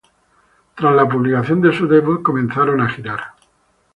Tras la publicación de su debut comenzaron a girar.